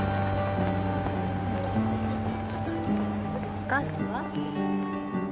お母さんは？